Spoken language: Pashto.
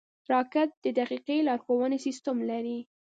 راکټ د دقیقې لارښونې سیسټم لري